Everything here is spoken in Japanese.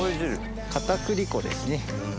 片栗粉ですね。